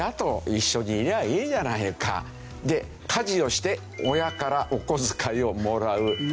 で家事をして親からお小遣いをもらう。